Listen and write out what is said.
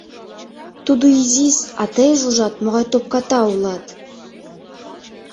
Тудо изи-с, а тыйже, ужат, могай топката улат!